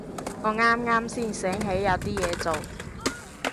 我啱啱先醒起有啲嘢做